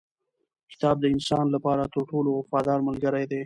کتاب د انسان لپاره تر ټولو وفادار ملګری دی